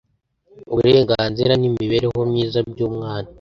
uburenganzira n imibereho myiza by umwana